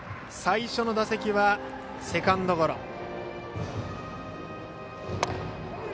最初の打席はセカンドゴロ。